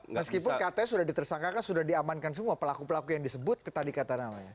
meskipun katanya sudah ditersangkakan sudah diamankan semua pelaku pelaku yang disebut tadi kata namanya